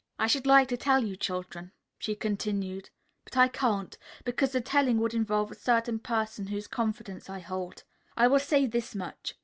"I should like to tell you, children," she continued, "but I can't, because the telling would involve a certain person whose confidence I hold. I will say this much.